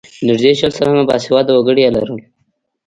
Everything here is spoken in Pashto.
نږدې شل سلنه باسواده وګړي یې لرل.